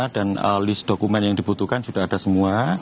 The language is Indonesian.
list dokumen yang dibutuhkan sudah ada semua